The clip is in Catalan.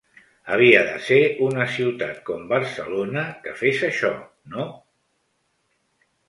Havia de ser una ciutat com Barcelona que fes això, no?